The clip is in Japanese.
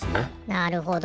なるほど。